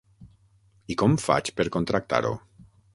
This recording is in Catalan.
I com faig per contractar-ho?